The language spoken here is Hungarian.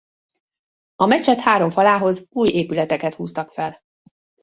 A mecset három falához új épületeket húztak fel.